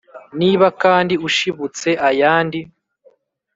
Niba kandi ushibutse ayandi